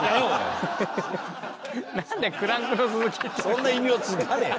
そんな異名付かねえよ。